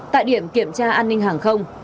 tại điểm kiểm tra an ninh hàng không